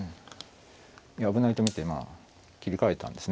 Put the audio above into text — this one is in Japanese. いや危ないと見て切り替えたんですね。